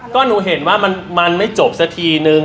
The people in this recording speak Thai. ก็หนูเห็นว่ามันไม่จบสักทีนึง